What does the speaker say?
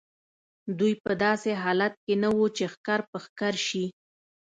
دوی په داسې حالت کې نه وو چې ښکر په ښکر شي.